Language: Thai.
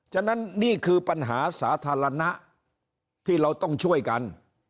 ฉะนั้นนี่คือปัญหาสาธารณะที่เราต้องช่วยกัน